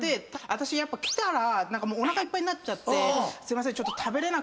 私やっぱ来たら何かおなかいっぱいになっちゃって。